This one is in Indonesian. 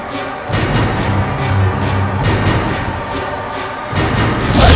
jangan bunuh saya